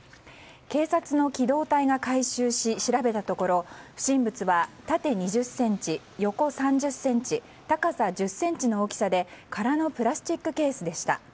警察の機動隊が回収し調べたところ不審物は縦２０ｃｍ、横３０ｃｍ高さ１０ｃｍの大きさで空のプラスチックケースでした。